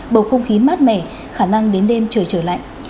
bầu không khí mát mẻ khả năng đến đêm trời trở lạnh